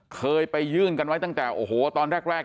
เคยไปยื่นกันไว้ตั้งแต่โอ้โหตอนแรก